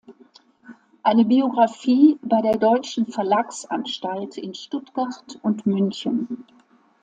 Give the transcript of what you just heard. Eine Biographie" bei der Deutschen Verlags-Anstalt in Stuttgart und München.